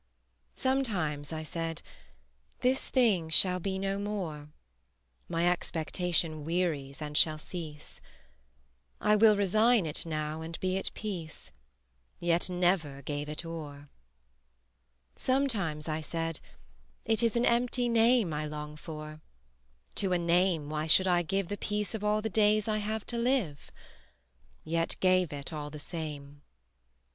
Sometimes I said: This thing shall be no more; My expectation wearies and shall cease; I will resign it now and be at peace: Yet never gave it o'er. Sometimes I said: It is an empty name I long for; to a name why should I give The peace of all the days I have to live? Yet gave it all the same.